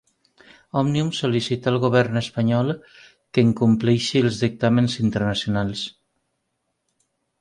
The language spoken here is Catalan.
Òmnium sol·licita al govern espanyol que incompleixi els dictàmens internacionals